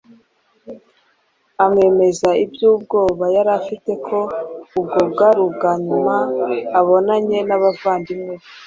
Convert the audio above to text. amwemeza iby’ubwoba yari afite ko ubwo bwari ubwa nyuma abonanye n’abavandimwe be